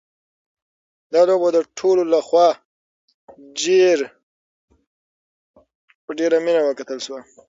دا لوبه د ټولو لخوا په ډېره مینه وکتل شوه.